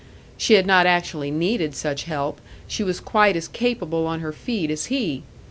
She had not actually needed such help, she was quite as capable on her feet as he!